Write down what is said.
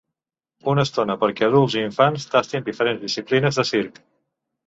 Una estona perquè adults i infants tastin diferents disciplines de circ.